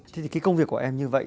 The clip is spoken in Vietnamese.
thế thì cái công việc của em như vậy